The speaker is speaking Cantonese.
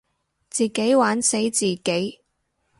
自己玩死自己